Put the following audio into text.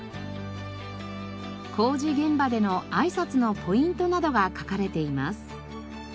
工事現場でのあいさつのポイントなどが書かれています。